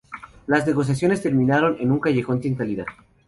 Las negociaciones terminaron en un callejón sin salida.